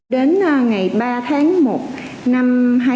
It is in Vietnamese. đến ngày ba tháng một năm hai nghìn hai mươi